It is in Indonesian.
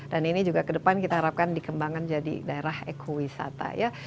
dan ini juga kedepan kita harapkan dikembangkan jadi daerah ekowisata